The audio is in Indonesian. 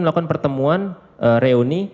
melakukan pertemuan reuni